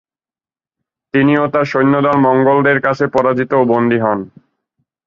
তিনি ও তার সৈন্যদল মঙ্গোলদের কাছে পরাজিত ও বন্দী হন।